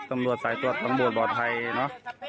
ตำรวจสายตรวจตำรวจบ่อไทยเนอะ